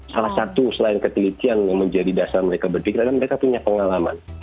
salah satu selain ketelitian yang menjadi dasar mereka berpikir adalah mereka punya pengalaman